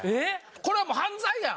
これはもう犯罪やん。